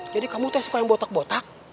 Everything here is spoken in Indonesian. jadi kamu tuh yang suka yang botak botak